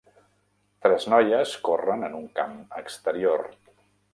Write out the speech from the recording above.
Tres noies corren en un camp exterior.